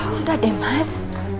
udah deh mas